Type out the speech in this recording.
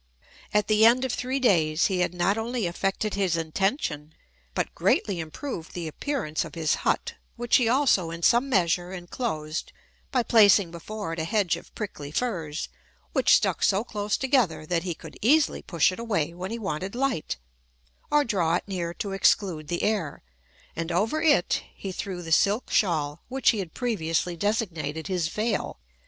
At the end of three days, he had not only effected his intention, but greatly improved the appearance of his hut, which he also in some measure enclosed, by placing before it a hedge of prickly furze, which stuck so close together, that he could easily push it away when he wanted light, or draw it near to exclude the air; and over it he threw the silk shawl, which he had previously designated his veil.